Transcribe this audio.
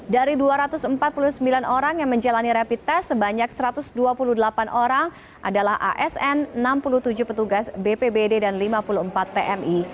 dari dua ratus empat puluh sembilan orang yang menjalani rapid test sebanyak satu ratus dua puluh delapan orang adalah asn enam puluh tujuh petugas bpbd dan lima puluh empat pmi